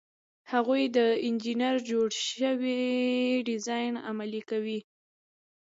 هغوی د انجینر جوړ شوی ډیزاین عملي کوي.